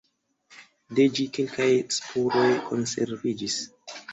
De ĝi kelkaj spuroj konserviĝis.